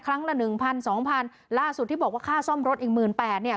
ละหนึ่งพันสองพันล่าสุดที่บอกว่าค่าซ่อมรถอีกหมื่นแปดเนี่ย